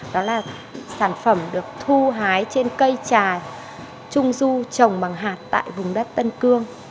đó là sản phẩm được thu hái trên cây trà trung du trồng bằng hạt tại vùng đất tân cương